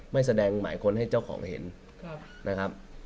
ไม่แสดงหมายค้นให้เจ้าของเห็นนะครับ